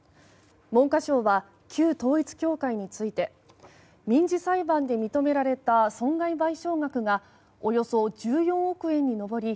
文科省は旧統一教会について民事裁判で認められた損害賠償額がおよそ１４億円に上り